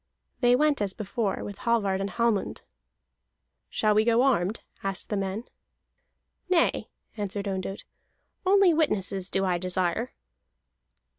They went as before, with Hallvard and Hallmund. "Shall we go armed?" asked the men. "Nay," answered Ondott, "only witnesses do I desire."